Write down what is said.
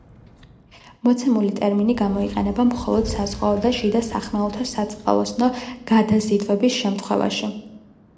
მოცემული ტერმინი გამოიყენება მხოლოდ საზღვაო და შიდასახმელეთო საწყალოსნო გადაზიდვების შემთხვევაში.